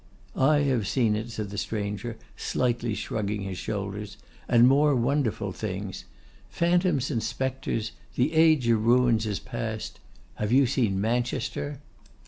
'I have seen it,' said the stranger, slightly shrugging his shoulders; 'and more wonderful things. Phantoms and spectres!' 'The Age of Ruins is past. Have you seen Manchester?